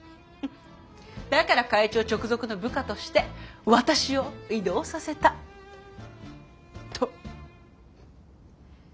だから会長直属の部下として私を異動させたと。